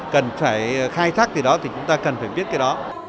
cần phải khai thác gì đó thì chúng ta cần phải biết cái đó